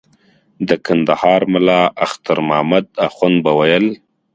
د کندهار ملا اختر محمد اخند به ویل.